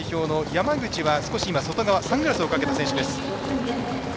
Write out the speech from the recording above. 山口は、外側サングラスをかけた選手です。